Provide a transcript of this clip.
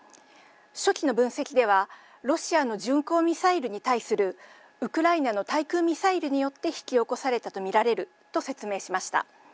初期の分析ではロシアの巡航ミサイルに対するウクライナの対空ミサイルによって引き起こされたと見られると説明しました。